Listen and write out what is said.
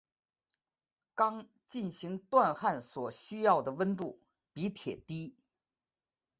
钢进行锻焊所需要的温度比铁低。